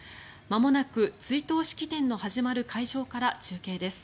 まもなく追悼式典の始まる会場から中継です。